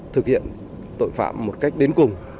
thực hiện tội phạm một cách đến cùng